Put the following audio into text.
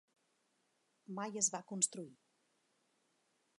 Mai es va construir.